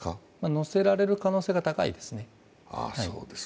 載せられる可能性が高いですね。